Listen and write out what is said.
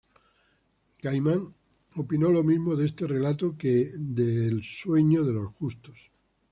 Gaiman opinó lo mismo de este relato que de "El sueño de los justos".